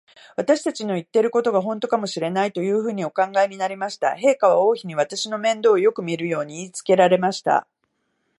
私たちの言ってることが、ほんとかもしれない、というふうにお考えになりました。陛下は王妃に、私の面倒をよくみるように言いつけられました。